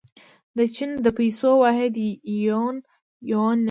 د چین د پیسو واحد یوان نومیږي.